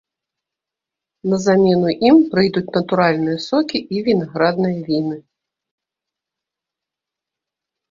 На замену ім прыйдуць натуральныя сокі і вінаградныя віны.